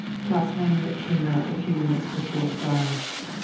Klaus Heinrich came out a few minutes before five.